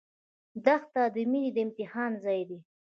دښته د مینې د امتحان ځای دی.